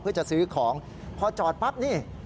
เพื่อจะซื้อของพอจอดปั๊บนี่